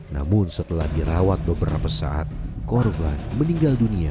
namun setelah dirawat beberapa saat korban meninggal dunia